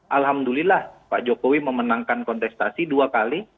alhamdulillah pak jokowi memenangkan kontestasi dua kali